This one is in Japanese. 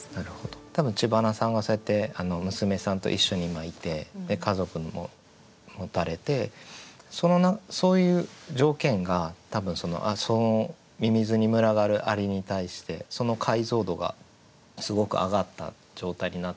多分知花さんはそうやって娘さんと一緒にいて家族も持たれてそういう条件が多分そのみみずに群がる蟻に対してその解像度がすごく上がった状態になってるんじゃないかなと思って。